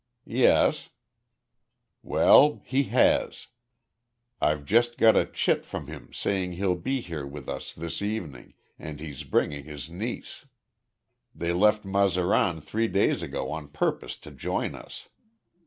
"Yes." "Well, he has. I've just got a `chit' from him saying he'll be here with us this evening, and he's bringing his niece. They left Mazaran three days ago on purpose to join us.